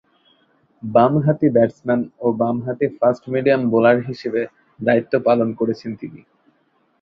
বামহাতি ব্যাটসম্যান ও বামহাতি ফাস্ট-মিডিয়াম বোলার হিসেবে দায়িত্ব পালন করছেন তিনি।